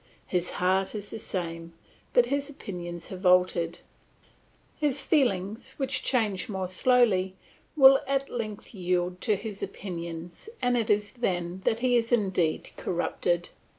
His heart is the same, but his opinions have altered. His feelings, which change more slowly, will at length yield to his opinions and it is then that he is indeed corrupted.